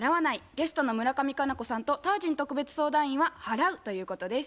ゲストの村上佳菜子さんとタージン特別相談員は「払う」ということです。